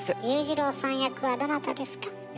裕次郎さん役はどなたですか？